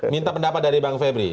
minta pendapat dari bang febri